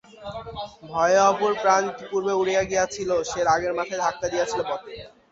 ভয়ে অপুর প্রাণ ইতিপূর্বেই উড়িয়া গিয়াছিল, সে রাগের মাথায় ধাক্কা দিয়াছিল বটে।